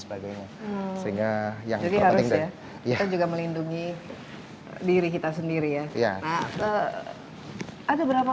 sebagainya sehingga yang jadi harus ya juga melindungi diri kita sendiri ya ada berapa